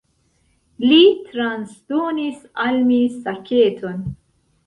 Li transdonis al mi saketon.